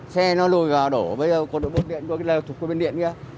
xe nó lùi vào đổ bây giờ có đổ bốt điện đổ cái lèo thục qua bên điện kia